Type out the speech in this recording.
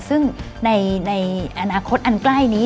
ซึ่งในอนาคตอันใกล้นี้